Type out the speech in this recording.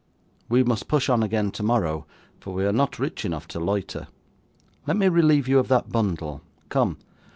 We must push on again tomorrow, for we are not rich enough to loiter. Let me relieve you of that bundle! Come!